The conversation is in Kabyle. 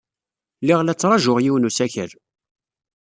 Lliɣ la ttṛajuɣ yiwen n usakal.